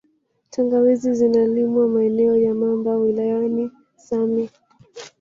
Tangawizi zinalimwa maeneo ya Mamba wilayani same